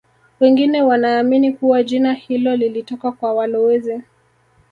Wengine wanaamini kuwa jina hilo lilitoka kwa walowezi